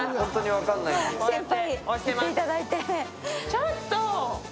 ちょっと！